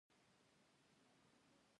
پتنگان او هغه خزندګان چې په اور كي ځان اچوي